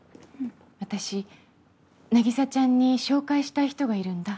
私凪沙ちゃんに紹介したい人がいるんだ。